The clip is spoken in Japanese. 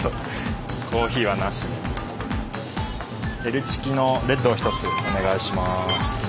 Ｌチキのレッドを１つお願いします。